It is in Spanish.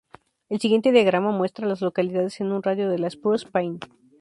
El siguiente diagrama muestra a las localidades en un radio de de Spruce Pine.